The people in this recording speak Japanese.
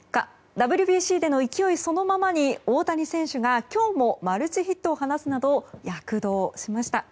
ＷＢＣでの勢いそのままに大谷選手が今日もマルチヒットを放つなど躍動しました。